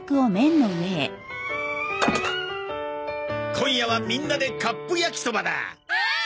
今夜はみんなでカップ焼きそばだ！わい！